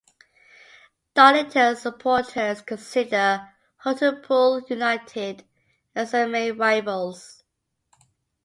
Darlington's supporters consider Hartlepool United as their main rivals.